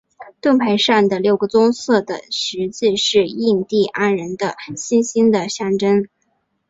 盾牌上的六个棕色的十字是印第安人的星星的象征。